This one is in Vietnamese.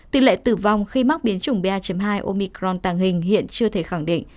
tỷ lệ tử vong khi mắc biến chủng ba hai omicron tàng hình hiện chưa thể khẳng định